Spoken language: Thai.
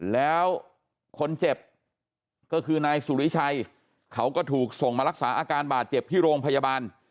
แล้วคนเจ็บก็คือนายสุริชัยเขาก็ถูกส่งมารักษาอาการบาดเจ็บที่โรงพยาบาล